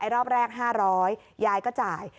รอบแรก๕๐๐ยายก็จ่าย